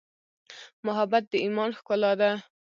محبت د ایمان ښکلا ده.